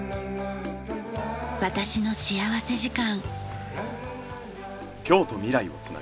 『私の幸福時間』。